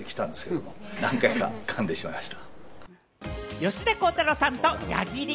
吉田鋼太郎さんと八木莉